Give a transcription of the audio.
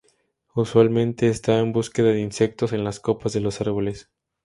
Usualmente están en búsqueda de insectos en las copas de los árboles.